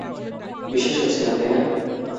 বিশ্বাস হচ্ছে না, তাই না?